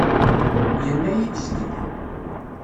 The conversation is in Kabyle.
Yenna-yid zgelli.